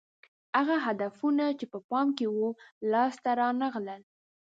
هغه هدفونه چې په پام کې وو لاس ته رانه غلل